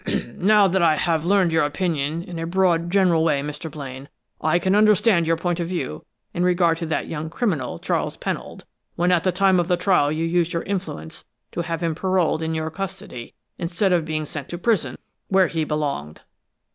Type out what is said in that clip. "Now that I have learned your opinion, in a broad, general way, Mr. Blaine, I can understand your point of view in regard to that young criminal, Charles Pennold, when at the time of the trial you used your influence to have him paroled in your custody, instead of being sent to prison, where he belonged."